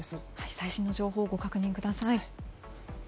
最新の情報をご確認ください。